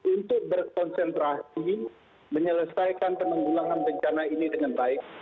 untuk berkonsentrasi menyelesaikan penanggulangan bencana ini dengan baik